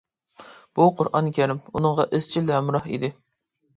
بۇ «قۇرئان كەرىم» ئۇنىڭغا ئىزچىل ھەمراھ ئىدى.